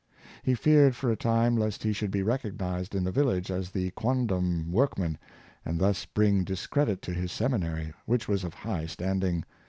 He feared for a time lest he should be recognized in the vil lage as the quondam workman, and thus bring discredit on his seminary, which was of high standing.